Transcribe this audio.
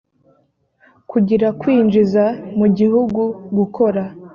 kugira kwinjiza mu gihugu gukora